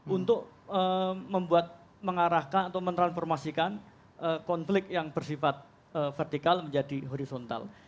untuk membuat mengarahkan atau mentransformasikan konflik yang bersifat vertikal menjadi horizontal